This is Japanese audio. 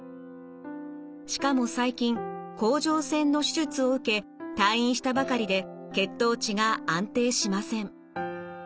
しかも最近甲状腺の手術を受け退院したばかりで血糖値が安定しません。